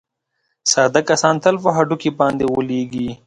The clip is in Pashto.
ساده کسان تل په هډوکي باندې غولېږي.